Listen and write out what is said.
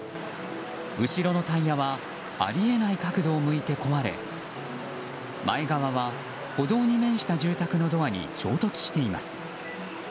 後ろのタイヤはあり得ない角度を向いて壊れ前側は、歩道に面した住宅のドアに衝突しています。